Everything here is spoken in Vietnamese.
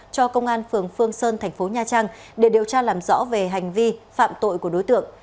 cho công an phường phương sơn thành phố nha trang để điều tra làm rõ về hành vi phạm tội của đối tượng